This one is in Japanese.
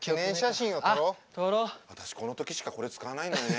私このときしかこれ使わないのよね。